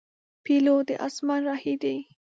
پیلوټ د اسمان راهی دی.